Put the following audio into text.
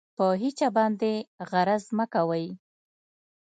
په هېچا باندې غرض مه کوئ.